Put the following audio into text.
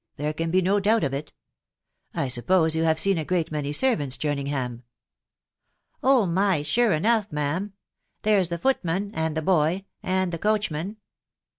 there can be no doubt of it I suppose you have seen a great many servants, Jerningham ?"" Oh my !— sure enough, ma'am !.... There's the foot man, and the boy, and the coachman."